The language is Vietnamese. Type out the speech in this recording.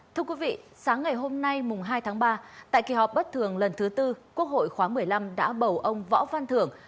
thưa quý vị sáng ngày hôm nay hai tháng ba tại kỳ họp bất thường lần thứ tư quốc hội khóa một mươi năm đã bầu ông võ văn thưởng